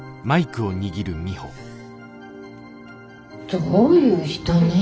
どういう人ねぇ。